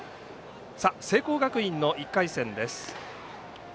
聖光学院の１回戦です。